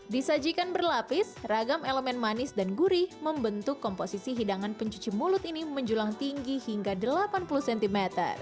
disajikan berlapis ragam elemen manis dan gurih membentuk komposisi hidangan pencuci mulut ini menjulang tinggi hingga delapan puluh cm